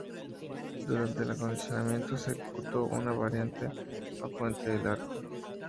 Durante el acondicionamiento se ejecutó una variante a Fuente del Arco.